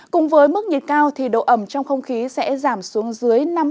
cùng với mức nhiệt cao độ ẩm trong không khí sẽ giảm xuống dưới